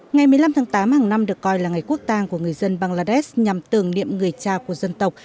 ngày một mươi năm tháng tám hàng năm được coi là ngày quốc tang của người dân bangladesh nhằm tưởng niệm người cha của dân tộc